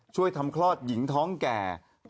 ช่วยทำคลอดหญิงท้องแก่